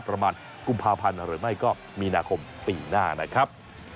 ประมาณกุมภาพันธ์หรือไม่ก็มีนาคมปีหน้านะครับ